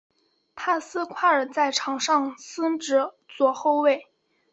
帕斯夸尔在场上司职左后卫。